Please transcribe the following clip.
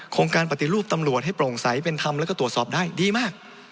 การปฏิรูปตำรวจให้โปร่งใสเป็นธรรมแล้วก็ตรวจสอบได้ดีมาก